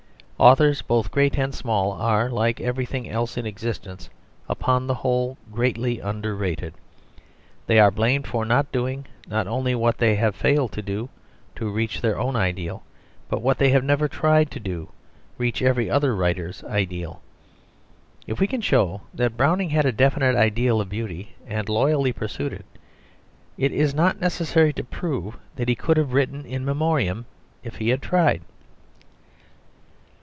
Authors both great and small are, like everything else in existence, upon the whole greatly under rated. They are blamed for not doing, not only what they have failed to do to reach their own ideal, but what they have never tried to do to reach every other writer's ideal. If we can show that Browning had a definite ideal of beauty and loyally pursued it, it is not necessary to prove that he could have written In Memoriam if he had tried.